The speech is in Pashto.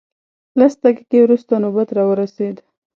لس دقیقې وروسته نوبت راورسېد.